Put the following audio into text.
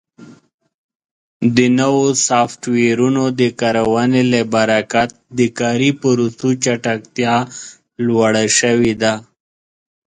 د نوو سافټویرونو د کارونې له برکت د کاري پروسو چټکتیا لوړه شوې ده.